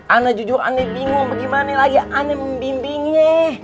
anda jujur aneh bingung gimana lagi aneh membimbingnya